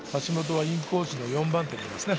橋本はインコースの４番手にいますね。